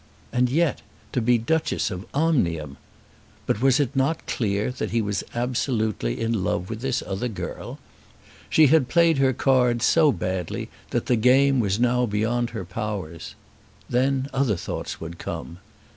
And yet to be Duchess of Omnium! But was it not clear that he was absolutely in love with this other girl? She had played her cards so badly that the game was now beyond her powers. Then other thoughts would come.